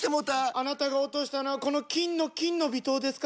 あなたが落としたのはこの金の「金の微糖」ですか？